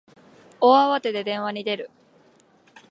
大慌てで電話に出る